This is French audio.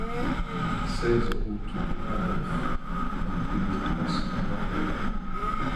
seize route du Mas Neuf, quarante-huit mille trois cents Langogne